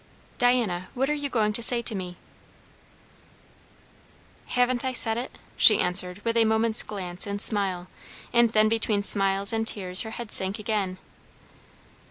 "Diana, what are you going to say to me?" "Haven't I said it?" she answered with a moment's glance and smile; and then between smiles and tears her head sank again.